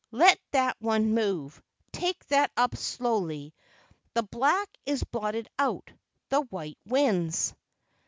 Let that one move. Take that up slowly. The black is blotted out, the white wins."